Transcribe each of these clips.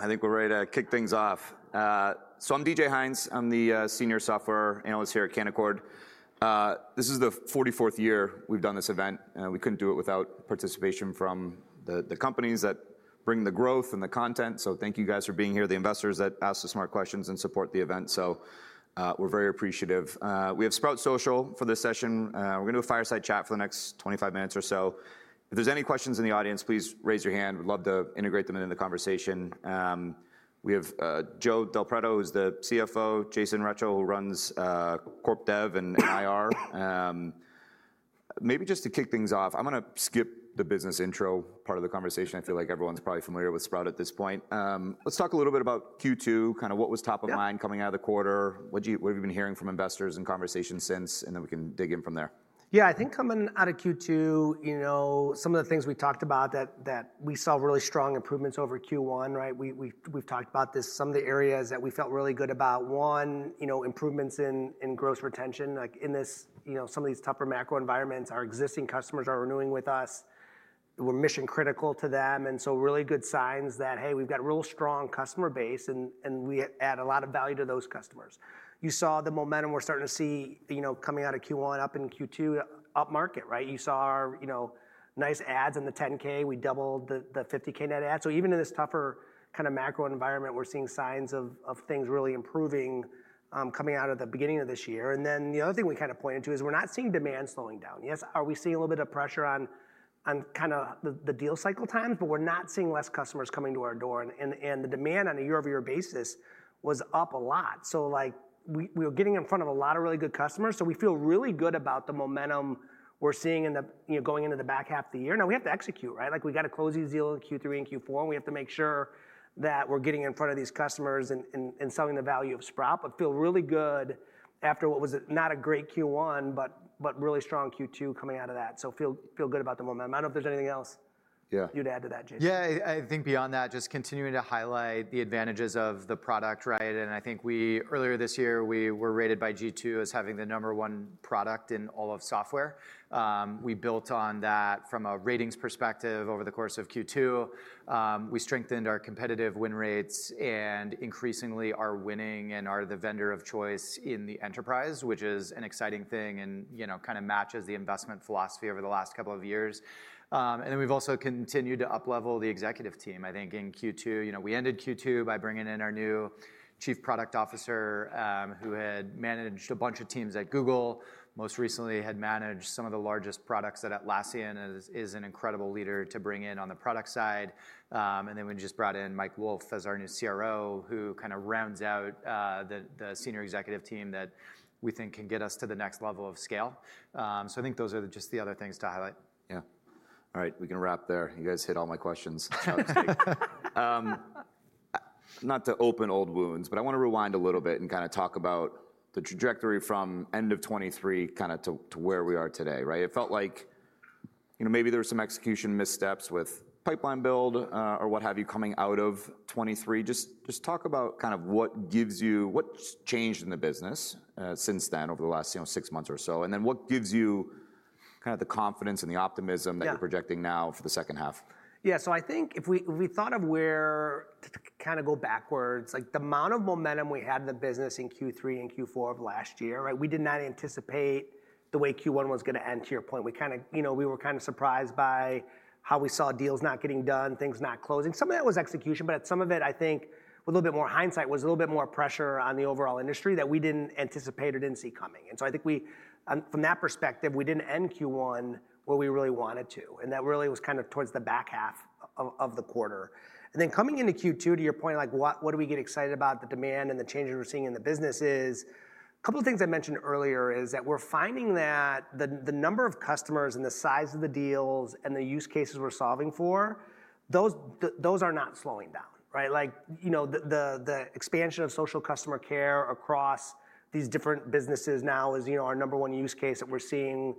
I think we're ready to kick things off. So I'm DJ Hynes. I'm the senior software analyst here at Canaccord. This is the 44th year we've done this event, and we couldn't do it without participation from the companies that bring the growth and the content, so thank you guys for being here, the investors that ask the smart questions and support the event. So we're very appreciative. We have Sprout Social for this session. We're gonna do a fireside chat for the next 25 minutes or so. If there's any questions in the audience, please raise your hand. We'd love to integrate them into the conversation. We have Joe Del Preto, who's the CFO, Jason Rechel, who runs corp dev and IR. Maybe just to kick things off, I'm gonna skip the business intro part of the conversation. I feel like everyone's probably familiar with Sprout at this point. Let's talk a little bit about Q2, kinda what was top of mind- Yeah... coming out of the quarter. What have you been hearing from investors and conversations since, and then we can dig in from there? Yeah, I think coming out of Q2, you know, some of the things we talked about that we saw really strong improvements over Q1, right? We've talked about this. Some of the areas that we felt really good about, one, you know, improvements in gross retention, like in this, you know, some of these tougher macro environments, our existing customers are renewing with us, were mission critical to them, and so really good signs that, hey, we've got a real strong customer base and we add a lot of value to those customers. You saw the momentum we're starting to see, you know, coming out of Q1, up in Q2, upmarket, right? You saw our, you know, net adds in the 10-K. We doubled the 50K net add. So even in this tougher kinda macro environment, we're seeing signs of, of things really improving, coming out of the beginning of this year. And then the other thing we kind of pointed to is we're not seeing demand slowing down. Yes, are we seeing a little bit of pressure on, on kinda the, the deal cycle times? But we're not seeing less customers coming to our door, and, and, the demand on a year-over-year basis was up a lot. So, like, we, we were getting in front of a lot of really good customers, so we feel really good about the momentum we're seeing in the, you know, going into the back half of the year. Now, we have to execute, right? Like, we gotta close these deals in Q3 and Q4, and we have to make sure that we're getting in front of these customers and selling the value of Sprout, but feel really good after what was not a great Q1, but really strong Q2 coming out of that. So feel good about the momentum. I don't know if there's anything else- Yeah... you'd add to that, Jason. Yeah, I think beyond that, just continuing to highlight the advantages of the product, right? I think earlier this year, we were rated by G2 as having the number one product in all of software. We built on that from a ratings perspective over the course of Q2. We strengthened our competitive win rates and increasingly are winning and are the vendor of choice in the enterprise, which is an exciting thing and, you know, kind of matches the investment philosophy over the last couple of years. And then we've also continued to uplevel the executive team. I think in Q2, you know, we ended Q2 by bringing in our new Chief Product Officer, who had managed a bunch of teams at Google, most recently had managed some of the largest products at Atlassian, and is an incredible leader to bring in on the product side. Then we just brought in Mike Wolff as our new CRO, who kinda rounds out the senior executive team that we think can get us to the next level of scale. I think those are just the other things to highlight. Yeah. All right, we can wrap there. You guys hit all my questions, obviously. Not to open old wounds, but I wanna rewind a little bit and kinda talk about the trajectory from end of 2023 kinda to where we are today, right? It felt like, you know, maybe there were some execution missteps with pipeline build, or what have you, coming out of 2023. Just, just talk about kind of what gives you, what's changed in the business, since then, over the last, you know, six months or so? And then what gives you kinda the confidence and the optimism- Yeah... that you're projecting now for the second half? Yeah, so I think if we, if we thought of where to kinda go backwards, like, the amount of momentum we had in the business in Q3 and Q4 of last year, right? We did not anticipate the way Q1 was gonna end, to your point. We kinda, you know, we were kinda surprised by how we saw deals not getting done, things not closing. Some of that was execution, but some of it, I think, with a little bit more hindsight, was a little bit more pressure on the overall industry that we didn't anticipate or didn't see coming. And so I think, from that perspective, we didn't end Q1 where we really wanted to, and that really was kind of towards the back half of the quarter. And then coming into Q2, to your point, like, what do we get excited about, the demand and the changes we're seeing in the business is, a couple of things I mentioned earlier is that we're finding that the number of customers and the size of the deals and the use cases we're solving for, those are not slowing down, right? Like, you know, the expansion of social customer care across these different businesses now is, you know, our number one use case that we're seeing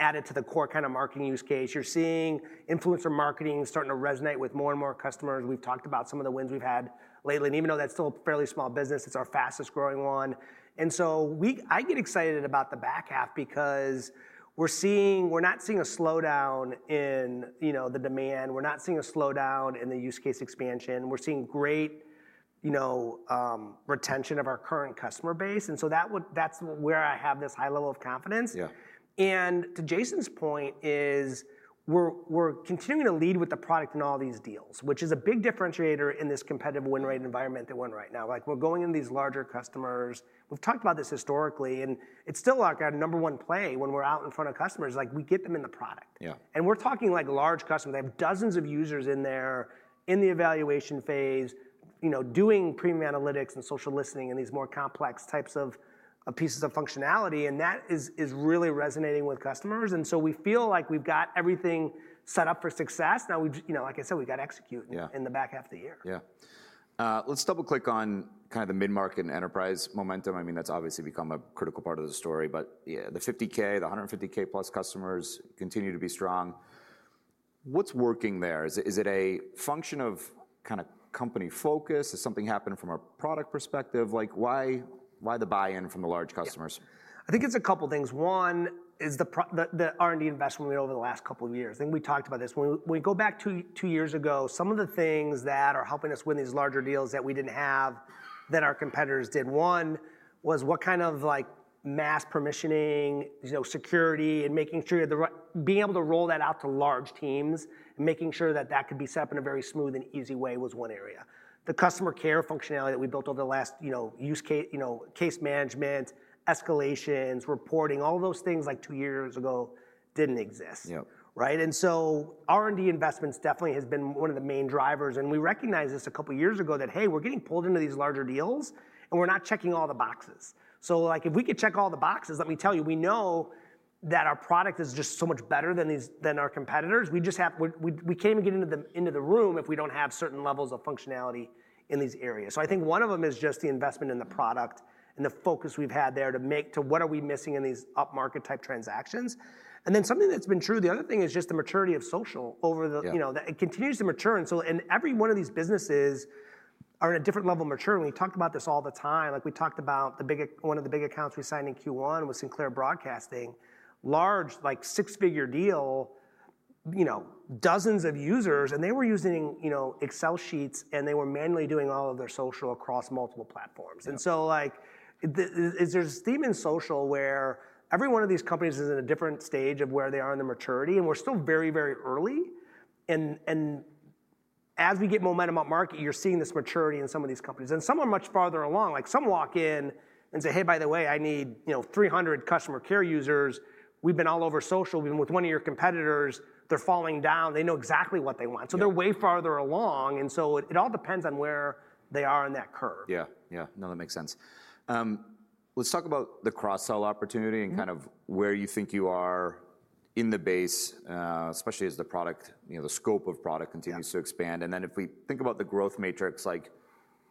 added to the core kinda marketing use case. You're seeing influencer marketing starting to resonate with more and more customers. We've talked about some of the wins we've had lately, and even though that's still a fairly small business, it's our fastest-growing one. And so I get excited about the back half because we're not seeing a slowdown in, you know, the demand. We're not seeing a slowdown in the use case expansion. We're seeing great, you know, retention of our current customer base, and so that would, that's where I have this high level of confidence. Yeah. To Jason's point, we're continuing to lead with the product in all these deals, which is a big differentiator in this competitive win-rate environment that we're in right now. Like, we're going into these larger customers. We've talked about this historically, and it's still, like, our number one play when we're out in front of customers, like, we get them in the product. Yeah. And we're talking, like, large customers. They have dozens of users in there, in the evaluation phase, you know, doing Premium Analytics and Social Listening and these more complex types of pieces of functionality, and that is really resonating with customers. And so we feel like we've got everything set up for success. Now, we you know, like I said, we've got to execute- Yeah... in the back half of the year. Yeah. Let's double-click on kinda the mid-market and enterprise momentum. I mean, that's obviously become a critical part of the story, but yeah, the 50K, the 150K-plus customers continue to be strong. What's working there? Is it, is it a function of kinda company focus? Has something happened from a product perspective? Like, why, why the buy-in from the large customers? Yeah. I think it's a couple of things. One is the R&D investment made over the last couple of years. I think we talked about this. When we go back 2 years ago, some of the things that are helping us win these larger deals that we didn't have, that our competitors did, one was what kind of like mass permissioning, you know, security, and making sure you have the right being able to roll that out to large teams, and making sure that that could be set up in a very smooth and easy way was one area. The customer care functionality that we built over the last, you know, use case, you know, case management, escalations, reporting, all those things like 2 years ago didn't exist. Yep. Right? And so R&D investments definitely has been one of the main drivers, and we recognized this a couple years ago, that, hey, we're getting pulled into these larger deals, and we're not checking all the boxes. So, like, if we could check all the boxes, let me tell you, we know that our product is just so much better than these, than our competitors. We just have, we can't even get into the room if we don't have certain levels of functionality in these areas. So I think one of them is just the investment in the product and the focus we've had there to make to what are we missing in these up-market type transactions. And then something that's been true, the other thing is just the maturity of social over the- Yeah... you know, that it continues to mature. And so, and every one of these businesses are at a different level of maturity, and we talk about this all the time. Like, we talked about the big- one of the big accounts we signed in Q1 was Sinclair Broadcast Group, large, like, six-figure deal, you know, dozens of users, and they were using, you know, Excel sheets, and they were manually doing all of their social across multiple platforms. Yeah. And so, like, there's this theme in social where every one of these companies is in a different stage of where they are in their maturity, and we're still very, very early. And, and as we get momentum upmarket, you're seeing this maturity in some of these companies, and some are much farther along. Like, some walk in and say, "Hey, by the way, I need, you know, 300 customer care users. We've been all over social. We've been with one of your competitors. They're falling down." They know exactly what they want. Yeah. So they're way farther along, and so it all depends on where they are in that curve. Yeah, yeah. No, that makes sense. Let's talk about the cross-sell opportunity- Mm-hmm... and kind of where you think you are in the base, especially as the product, you know, the scope of product continues- Yeah... to expand. And then if we think about the growth matrix, like,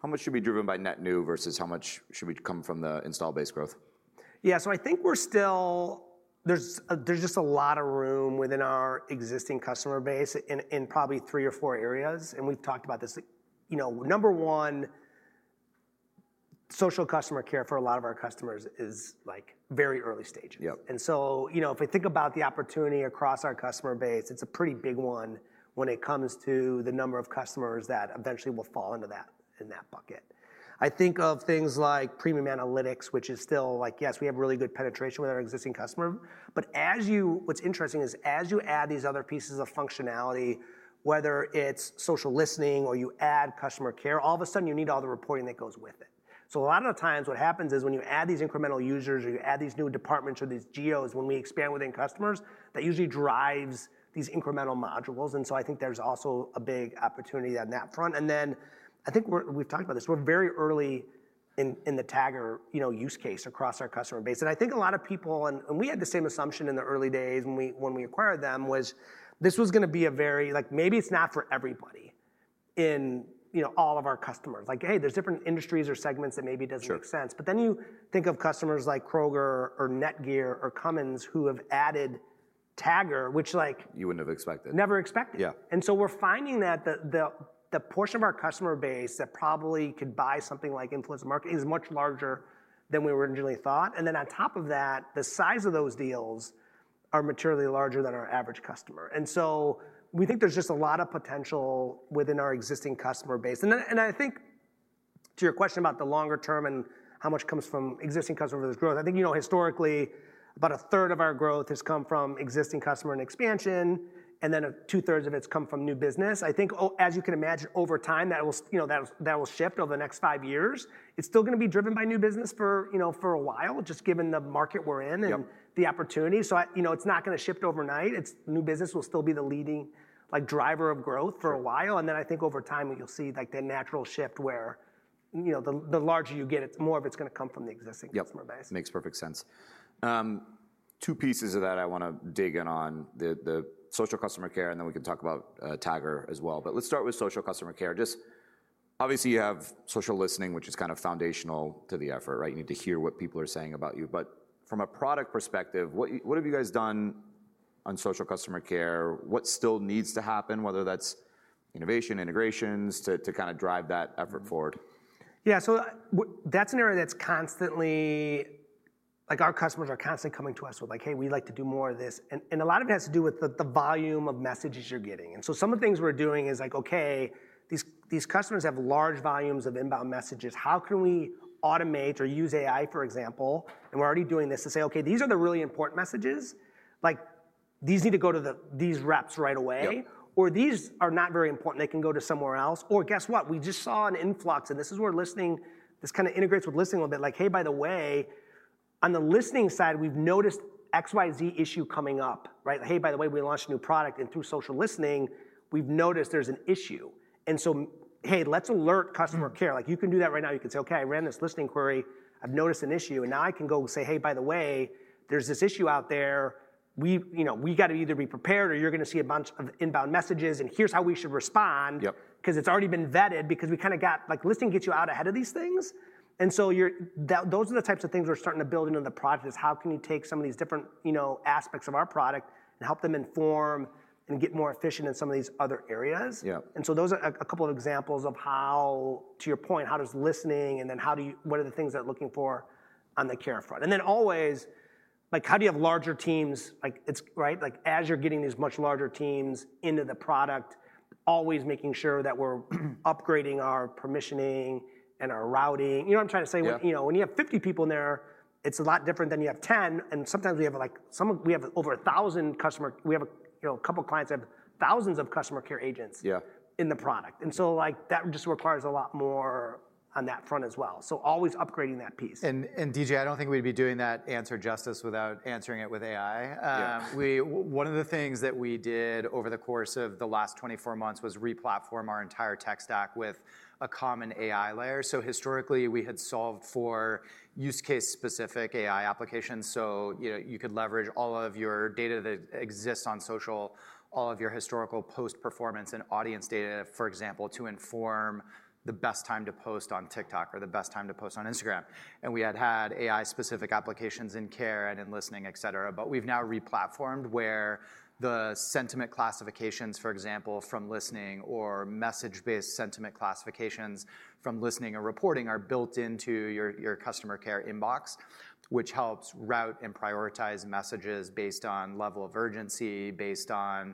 how much should be driven by net new versus how much should we come from the install base growth? Yeah, so I think we're still. There's just a lot of room within our existing customer base in, in probably three or four areas, and we've talked about this. You know, number one, Social Customer Care for a lot of our customers is, like, very early stages. Yep. And so, you know, if we think about the opportunity across our customer base, it's a pretty big one when it comes to the number of customers that eventually will fall into that, in that bucket. I think of things like Premium Analytics, which is still like, yes, we have really good penetration with our existing customer, but as you—what's interesting is, as you add these other pieces of functionality, whether it's Social Listening or you add customer care, all of a sudden, you need all the reporting that goes with it. So a lot of the times, what happens is, when you add these incremental users or you add these new departments or these geos, when we expand within customers, that usually drives these incremental modules, and so I think there's also a big opportunity on that front. And then, I think we're—we've talked about this. We're very early in the Tagger, you know, use case across our customer base. And I think a lot of people... And we had the same assumption in the early days when we acquired them, was this was gonna be a very, like, maybe it's not for everybody in, you know, all of our customers. Like, hey, there's different industries or segments that maybe it doesn't- Sure... make sense. But then you think of customers like Kroger or NETGEAR or Cummins who have added Tagger, which, like- You wouldn't have expected. Never expected. Yeah. And so we're finding that the portion of our customer base that probably could buy something like Influencer Marketing is much larger than we originally thought. And then on top of that, the size of those deals are materially larger than our average customer. And so we think there's just a lot of potential within our existing customer base. And then I think, to your question about the longer term and how much comes from existing customers versus growth, I think, you know, historically, about a third of our growth has come from existing customer and expansion, and then two-thirds of it's come from new business. I think as you can imagine, over time, that will, you know, that will shift over the next five years. It's still gonna be driven by new business for, you know, for a while, just given the market we're in. Yep... and the opportunity. So, you know, it's not gonna shift overnight. Its new business will still be the leading, like, driver of growth- Sure... for a while, and then I think over time, you'll see, like, the natural shift where, you know, the larger you get, it's more of it's gonna come from the existing customer base. Yep, makes perfect sense. Two pieces of that I wanna dig in on, the social customer care, and then we can talk about Tagger as well. But let's start with social customer care. Just obviously, you have social listening, which is kind of foundational to the effort, right? You need to hear what people are saying about you. But from a product perspective, what have you guys done on social customer care? What still needs to happen, whether that's innovation, integrations, to kinda drive that effort forward? Yeah, so that's an area that's constantly... Like, our customers are constantly coming to us with, like: "Hey, we'd like to do more of this." And a lot of it has to do with the volume of messages you're getting, and so some of the things we're doing is, like, okay, these customers have large volumes of inbound messages. How can we automate or use AI, for example, and we're already doing this, to say, "Okay, these are the really important messages. Like, these need to go to these reps right away- Yep... or these are not very important. They can go to somewhere else," or, "Guess what? We just saw an influx," and this is where listening, this kinda integrates with listening a little bit. Like, hey, by the way, on the listening side, we've noticed XYZ issue coming up, right? "Hey, by the way, we launched a new product, and through social listening, we've noticed there's an issue," and so, "Hey, let's alert customer care. Mm. Like, you can do that right now. You can say, "Okay, I ran this listening query. I've noticed an issue," and now I can go and say, "Hey, by the way, there's this issue out there. We, you know, we gotta either be prepared or you're gonna see a bunch of inbound messages, and here's how we should respond- Yep... 'cause it's already been vetted," because we kinda got like, listening gets you out ahead of these things, and so you're that, those are the types of things we're starting to build into the product, is how can you take some of these different, you know, aspects of our product and help them inform and get more efficient in some of these other areas? Yeah. So those are a couple of examples of how, to your point, how does listening and then how do you—what are the things they're looking for on the care front? And then always— ... like how do you have larger teams? Like, it's, right, like, as you're getting these much larger teams into the product, always making sure that we're upgrading our permissioning and our routing. You know what I'm trying to say? Yeah. You know, when you have 50 people in there, it's a lot different than you have 10, and sometimes we have, like, we have over 1,000 customer... We have a, you know, a couple of clients that have thousands of customer care agents - Yeah - in the product. And so, like, that just requires a lot more on that front as well. So always upgrading that piece. And DJ, I don't think we'd be doing that answer justice without answering it with AI. Yeah. One of the things that we did over the course of the last 24 months was re-platform our entire tech stack with a common AI layer. So historically, we had solved for use case-specific AI applications, so, you know, you could leverage all of your data that exists on social, all of your historical post performance and audience data, for example, to inform the best time to post on TikTok or the best time to post on Instagram. And we had had AI-specific applications in care and in listening, et cetera, but we've now re-platformed, where the sentiment classifications, for example, from listening or message-based sentiment classifications from listening or reporting, are built into your, your customer care inbox, which helps route and prioritize messages based on level of urgency, based on-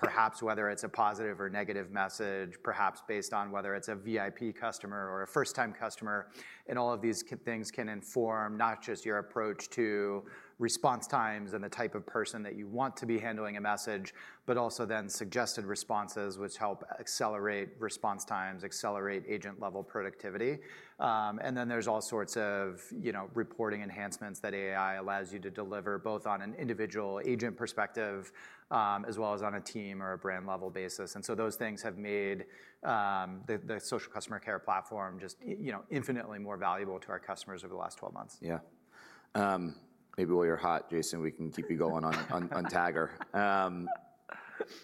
perhaps whether it's a positive or negative message, perhaps based on whether it's a VIP customer or a first-time customer. And all of these things can inform, not just your approach to response times and the type of person that you want to be handling a message, but also then suggested responses, which help accelerate response times, accelerate agent-level productivity. And then there's all sorts of, you know, reporting enhancements that AI allows you to deliver, both on an individual agent perspective, as well as on a team or a brand-level basis. And so those things have made the social customer care platform just you know, infinitely more valuable to our customers over the last 12 months. Yeah. Maybe while you're hot, Jason, we can keep you going on Tagger.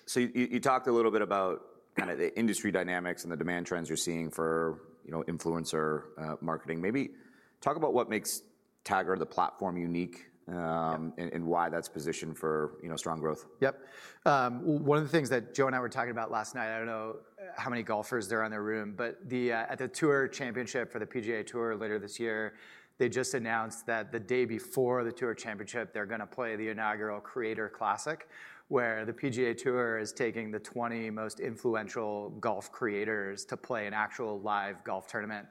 So you, you talked a little bit about kind of the industry dynamics and the demand trends you're seeing for, you know, influencer marketing. Maybe talk about what makes Tagger the platform unique. Yep, and, and why that's positioned for, you know, strong growth. Yep. One of the things that Joe and I were talking about last night, I don't know how many golfers there are in the room, but at the TOUR Championship for the PGA TOUR later this year, they just announced that the day before the TOUR Championship, they're gonna play the inaugural Creator Classic, where the PGA TOUR is taking the 20 most influential golf creators to play an actual live golf tournament.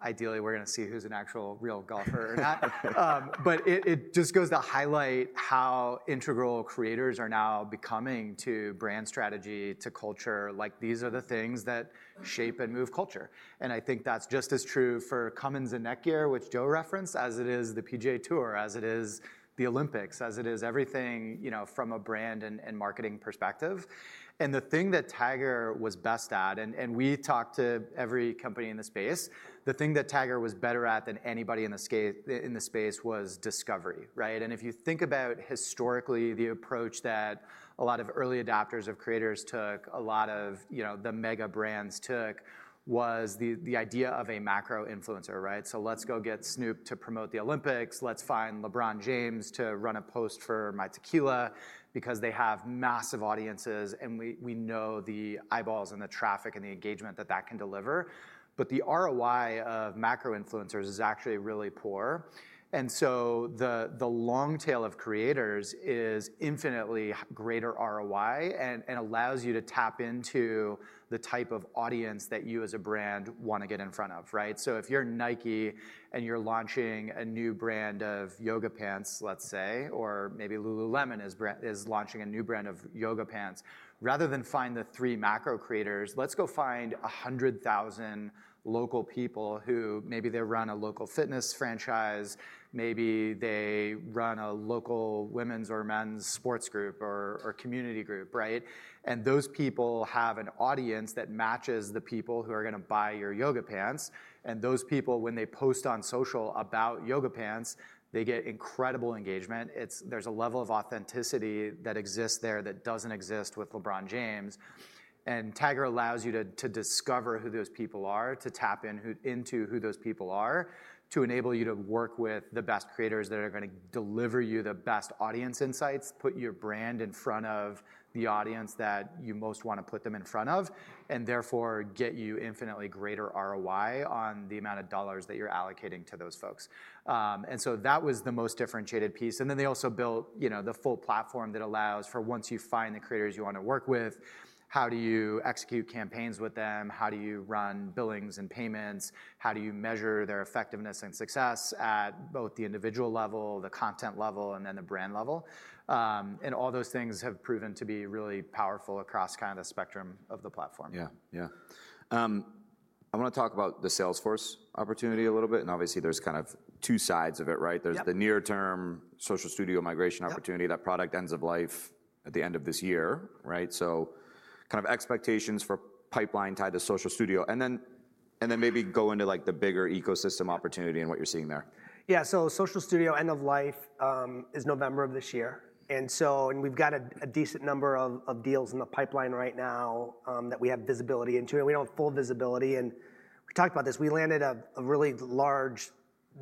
Ideally, we're gonna see who's an actual, real golfer or not. But it just goes to highlight how integral creators are now becoming to brand strategy, to culture. Like, these are the things that shape and move culture. And I think that's just as true for Cummins and NETGEAR, which Joe referenced, as it is the PGA TOUR, as it is the Olympics, as it is everything, you know, from a brand and marketing perspective. And the thing that Tagger was best at, and we talked to every company in the space, the thing that Tagger was better at than anybody in the space was discovery, right? And if you think about historically, the approach that a lot of early adopters of creators took, a lot of, you know, the mega brands took, was the idea of a macro-influencer, right? So let's go get Snoop to promote the Olympics. Let's find LeBron James to run a post for my tequila, because they have massive audiences, and we, we know the eyeballs and the traffic and the engagement that that can deliver. But the ROI of macro-influencers is actually really poor, and so the, the long tail of creators is infinitely greater ROI and, and allows you to tap into the type of audience that you as a brand want to get in front of, right? So if you're Nike and you're launching a new brand of yoga pants, let's say, or maybe Lululemon is launching a new brand of yoga pants, rather than find the three macro creators, let's go find 100,000 local people who maybe they run a local fitness franchise, maybe they run a local women's or men's sports group or, or community group, right? Those people have an audience that matches the people who are gonna buy your yoga pants, and those people, when they post on social about yoga pants, they get incredible engagement. There's a level of authenticity that exists there that doesn't exist with LeBron James. Tagger allows you to discover who those people are, to tap into who those people are, to enable you to work with the best creators that are gonna deliver you the best audience insights, put your brand in front of the audience that you most want to put them in front of, and therefore, get you infinitely greater ROI on the amount of dollars that you're allocating to those folks. And so that was the most differentiated piece. And then they also built, you know, the full platform that allows for once you find the creators you want to work with, how do you execute campaigns with them? How do you run billings and payments? How do you measure their effectiveness and success at both the individual level, the content level, and then the brand level? And all those things have proven to be really powerful across kind of the spectrum of the platform. Yeah. Yeah. I want to talk about the Salesforce opportunity a little bit, and obviously, there's kind of two sides of it, right? Yep. There's the near-term Social Studio migration opportunity. Yep, that product ends of life at the end of this year, right? So kind of expectations for pipeline tied to Social Studio, and then, and then maybe go into, like, the bigger ecosystem opportunity and what you're seeing there. Yeah, so Social Studio end of life is November of this year, and we've got a decent number of deals in the pipeline right now that we have visibility into, and we don't have full visibility. And we talked about this, we landed a really large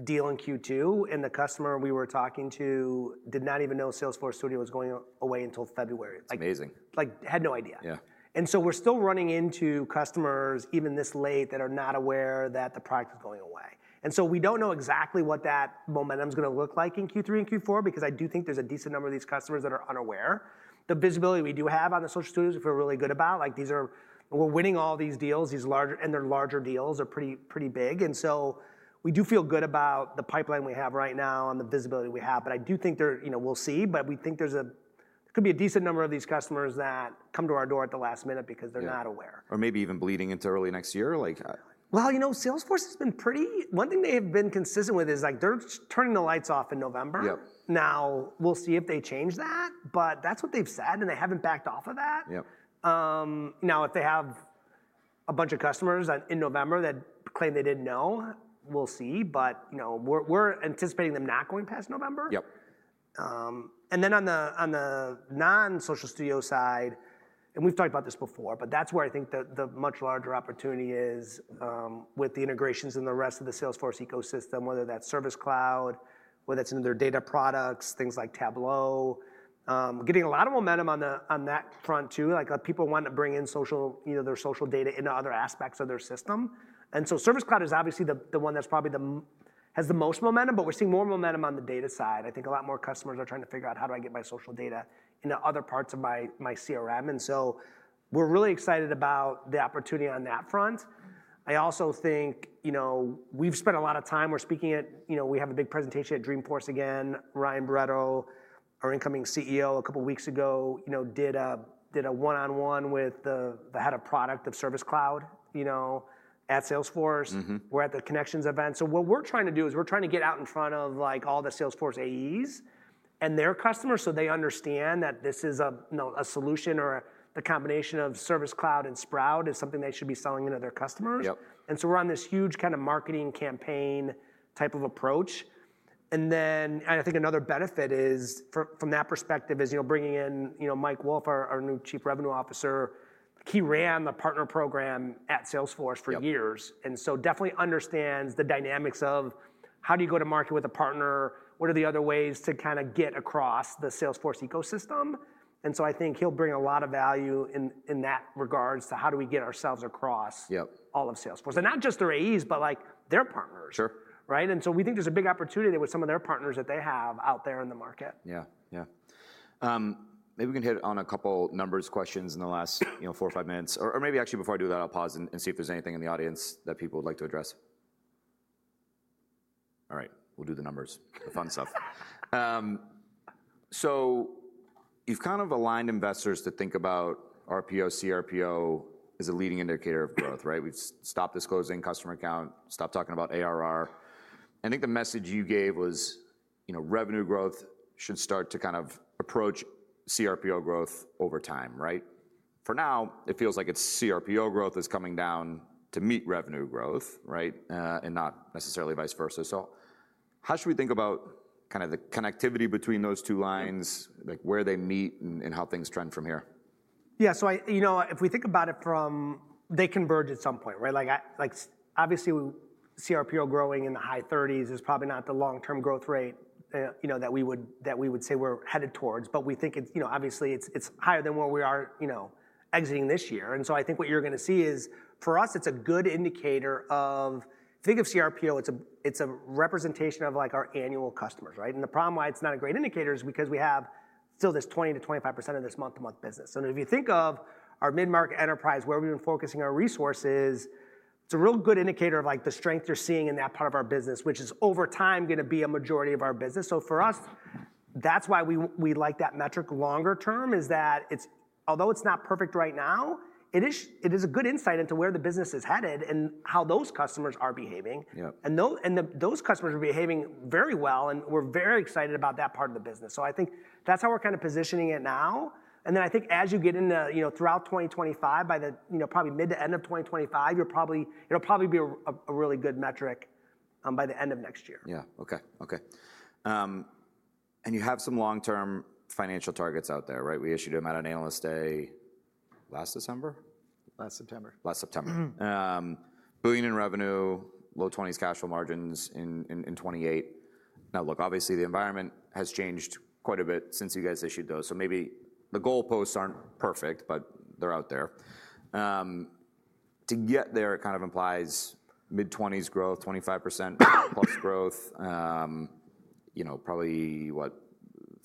deal in Q2, and the customer we were talking to-... did not even know Social Studio was going away until February. That's amazing. Like, had no idea. Yeah. And so we're still running into customers, even this late, that are not aware that the product is going away. And so we don't know exactly what that momentum's gonna look like in Q3 and Q4, because I do think there's a decent number of these customers that are unaware. The visibility we do have out of the Social Studio, we feel really good about, like, these are - we're winning all these deals, these larger - and they're larger deals, they're pretty, pretty big. And so we do feel good about the pipeline we have right now and the visibility we have. But I do think there, you know, we'll see, but we think there's a, could be a decent number of these customers that come to our door at the last minute because they're not aware. Yeah. Or maybe even bleeding into early next year, like...? Well, you know, Salesforce has been pretty, one thing they have been consistent with is, like, they're turning the lights off in November. Yep. Now, we'll see if they change that, but that's what they've said, and they haven't backed off of that. Yep. Now, if they have a bunch of customers that in November that claim they didn't know, we'll see. But, you know, we're anticipating them not going past November. Yep. And then on the non-Social Studio side, and we've talked about this before, but that's where I think the much larger opportunity is, with the integrations and the rest of the Salesforce ecosystem, whether that's Service Cloud, whether that's in their data products, things like Tableau. We're getting a lot of momentum on that front too. Like, people want to bring in social, you know, their social data into other aspects of their system. And so Service Cloud is obviously the one that's probably has the most momentum, but we're seeing more momentum on the data side. I think a lot more customers are trying to figure out: How do I get my social data into other parts of my CRM? And so we're really excited about the opportunity on that front. I also think, you know, we've spent a lot of time. We're speaking at... You know, we have a big presentation at Dreamforce again. Ryan Barretto, our incoming CEO, a couple weeks ago, you know, did a one-on-one with the head of product of Service Cloud, you know, at Salesforce. Mm-hmm. We're at the Connections event. What we're trying to do is we're trying to get out in front of, like, all the Salesforce AEs and their customers, so they understand that this is a, you know, a solution or the combination of Service Cloud and Sprout is something they should be selling to their customers. Yep. And so we're on this huge kind of marketing campaign type of approach. And then, and I think another benefit is from that perspective is, you know, bringing in, you know, Mike Wolff, our new Chief Revenue Officer. He ran the partner program at Salesforce for years- Yep... and so definitely understands the dynamics of: How do you go to market with a partner? What are the other ways to kinda get across the Salesforce ecosystem? And so I think he'll bring a lot of value in, in that regards to how do we get ourselves across- Yep all of Salesforce. Not just their AEs, but, like, their partners. Sure. Right? And so we think there's a big opportunity there with some of their partners that they have out there in the market. Yeah. Yeah. Maybe we can hit on a couple numbers questions in the last, you know, four or five minutes. Or, or maybe actually before I do that, I'll pause and, and see if there's anything in the audience that people would like to address. All right, we'll do the numbers. The fun stuff. So you've kind of aligned investors to think about RPO, CRPO as a leading indicator of growth, right? We've stopped disclosing customer count, stopped talking about ARR. I think the message you gave was, you know, revenue growth should start to kind of approach CRPO growth over time, right? For now, it feels like it's CRPO growth is coming down to meet revenue growth, right, and not necessarily vice versa. So how should we think about kind of the connectivity between those two lines, like where they meet and, and how things trend from here? Yeah, so you know, if we think about it from, they converge at some point, right? Like, obviously, we, CRPO growing in the high 30s is probably not the long-term growth rate, you know, that we would, that we would say we're headed towards. But we think it's, you know, obviously, it's, it's higher than where we are, you know, exiting this year. And so I think what you're gonna see is, for us, it's a good indicator of... If you think of CRPO, it's a, it's a representation of, like, our annual customers, right? And the problem why it's not a great indicator is because we have still this 20%-25% of this month-to-month business. So if you think of our mid-market enterprise, where we've been focusing our resources, it's a real good indicator of, like, the strength you're seeing in that part of our business, which is, over time, gonna be a majority of our business. So for us, that's why we like that metric longer term, is that it's, although it's not perfect right now, it is a good insight into where the business is headed and how those customers are behaving. Yep. And those customers are behaving very well, and we're very excited about that part of the business. So I think that's how we're kind of positioning it now. And then I think as you get into, you know, throughout 2025, by the, you know, probably mid to end of 2025, it'll probably be a really good metric by the end of next year. Yeah. Okay, okay. You have some long-term financial targets out there, right? We issued them out on Analyst Day last December? Last September. Last September. Mm-hmm. $1 billion in revenue, low-20s cash flow margins in 2028. Now, look, obviously, the environment has changed quite a bit since you guys issued those, so maybe the goalposts aren't perfect, but they're out there. To get there, it kind of implies mid-20s growth, 25%+ growth. You know, probably, what?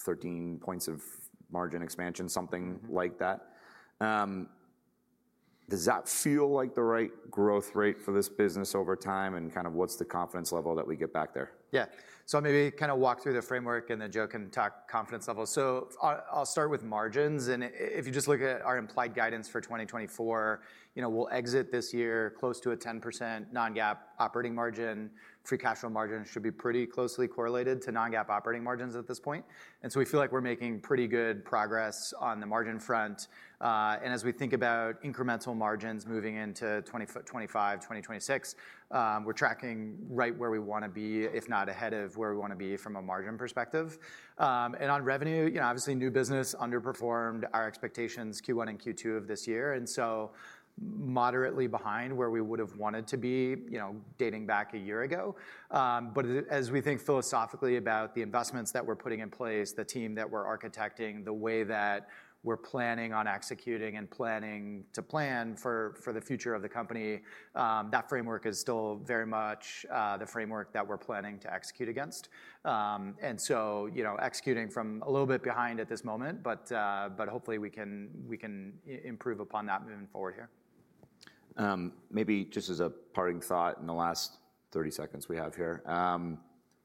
13 points of margin expansion, something like that. Does that feel like the right growth rate for this business over time, and kind of what's the confidence level that we get back there? Yeah. So maybe kind of walk through the framework, and then Joe can talk confidence level. So I, I'll start with margins, and if you just look at our implied guidance for 2024, you know, we'll exit this year close to a 10% non-GAAP operating margin. Free cash flow margin should be pretty closely correlated to non-GAAP operating margins at this point, and so we feel like we're making pretty good progress on the margin front. And as we think about incremental margins moving into 2025, 2026, we're tracking right where we wanna be, if not ahead of where we wanna be from a margin perspective. And on revenue, you know, obviously, new business underperformed our expectations Q1 and Q2 of this year, and so moderately behind where we would've wanted to be, you know, dating back a year ago. But as we think philosophically about the investments that we're putting in place, the team that we're architecting, the way that we're planning on executing and planning to plan for the future of the company, that framework is still very much the framework that we're planning to execute against. And so, you know, executing from a little bit behind at this moment, but hopefully we can improve upon that moving forward here. Maybe just as a parting thought in the last 30 seconds we have here,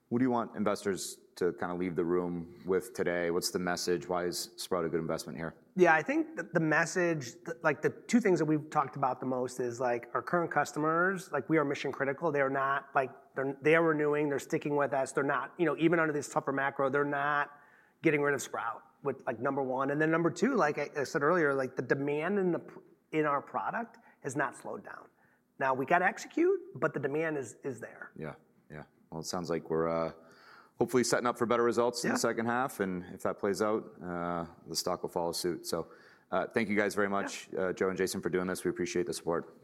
what do you want investors to kind of leave the room with today? What's the message? Why is Sprout a good investment here? Yeah, I think the message—like, the two things that we've talked about the most is, like, our current customers. Like, we are mission critical. They are not—like—they're renewing, they're sticking with us, they're not... You know, even under this tougher macro, they're not getting rid of Sprout—like—number one. And then number two, like I said earlier, like, the demand in the—in our product has not slowed down. Now, we've got to execute, but the demand is there. Yeah, yeah. Well, it sounds like we're hopefully setting up for better results- Yeah... in the second half, and if that plays out, the stock will follow suit. So, thank you guys very much- Yep... Joe and Jason, for doing this. We appreciate the support.